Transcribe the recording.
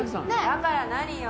だから何よ？